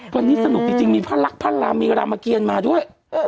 วันนี้สนุกจริงมีพระรักพระรามมีรามเกียรมาด้วย